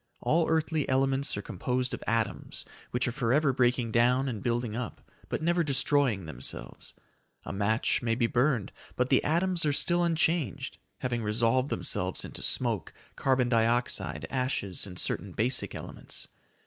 All earthly elements are composed of atoms which are forever breaking down and building up, but never destroying themselves. A match may be burned, but the atoms are still unchanged, having resolved themselves into smoke, carbon dioxide, ashes, and certain basic elements.